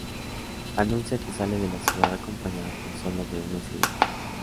Anuncia que sale de la ciudad acompañada tan sólo de una sirvienta.